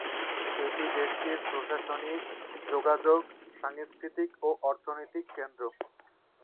এটি দেশটির প্রশাসনিক, যোগাযোগ, সাংস্কৃতিক ও অর্থনৈতিক কেন্দ্র।